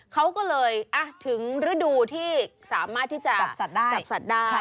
เขาก็เลยอ้ะถึงฤดูที่สามารถที่จะจับสัตว์ได้